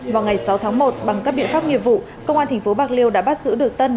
vào ngày sáu tháng một bằng các biện pháp nghiệp vụ công an tp bạc liêu đã bắt giữ được tân